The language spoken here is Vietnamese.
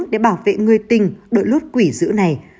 để bảo vệ người tình đổi lốt quỷ giữ này